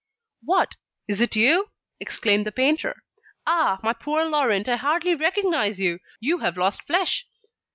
"What, is it you?" exclaimed the painter. "Ah! my poor Laurent, I hardly recognise you. You have lost flesh."